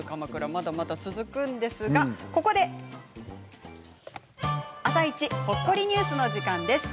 まだまだ続くんですがここで「あさイチ」ほっこりニュースの時間です。